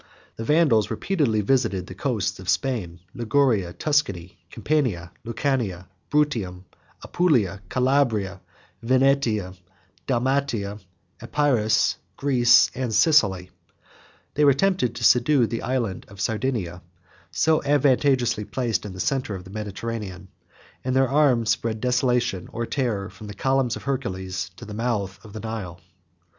The Vandals repeatedly visited the coasts of Spain, Liguria, Tuscany, Campania, Lucania, Bruttium, Apulia, Calabria, Venetia, Dalmatia, Epirus, Greece, and Sicily: they were tempted to subdue the Island of Sardinia, so advantageously placed in the centre of the Mediterranean; and their arms spread desolation, or terror, from the columns of Hercules to the mouth of the Nile.